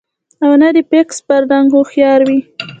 او نۀ د فاکس پۀ رنګ هوښيار وي